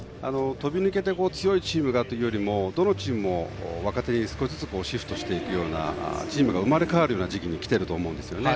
飛び抜けて強いチームがいるというよりもどのチームも、若手に少しずつシフトしていくような、チームが生まれ変わるような時期にきていると思うんですね。